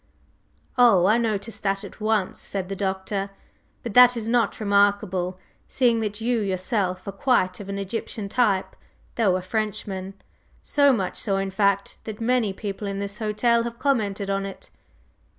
"Oh, I noticed that at once," said the Doctor; "but that is not remarkable, seeing that you yourself are quite of an Egyptian type, though a Frenchman, so much so, in fact, that many people in this hotel have commented on it."